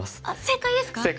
あっ正解ですか？